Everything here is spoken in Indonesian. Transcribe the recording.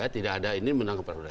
tidak ada ini menang kepada